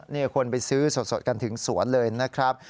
นี่คนไปซื้อสดกันถึงสวนเลยนะครับ